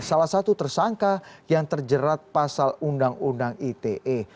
salah satu tersangka yang terjerat pasal undang undang ite